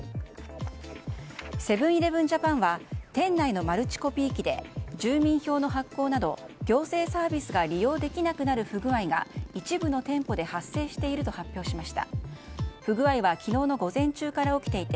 セブン‐イレブン・ジャパンは店内のマルチコピー機で住民票の発行など行政サービスが利用できなくなる不具合が一部の店舗で発生していると発表しました。